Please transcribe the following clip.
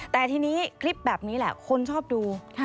แต่ทีนี้คลิปแบบนี้แหละคนชอบดู